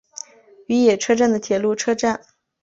与野车站的铁路车站。